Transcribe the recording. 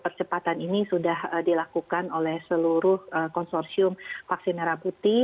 percepatan ini sudah dilakukan oleh seluruh konsorsium vaksin merah putih